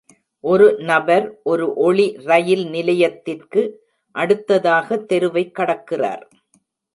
ஒரு நபர் ஒரு ஒளி ரயில் நிலையத்திற்கு அடுத்ததாக தெருவைக் கடக்கிறார்.